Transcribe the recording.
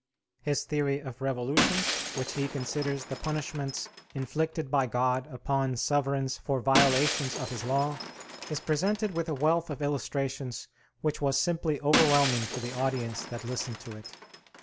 His theory of revolutions, which he considers the punishments inflicted by God upon sovereigns for violations of His law, is presented with a wealth of illustrations which was simply overwhelming for the audience that listened to it.